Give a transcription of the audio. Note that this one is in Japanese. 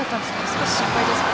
少し心配ですね。